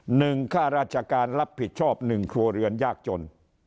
ข้าราชการรับผิดชอบหนึ่งครัวเรือนยากจน